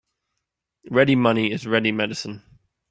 Ready money is ready medicine.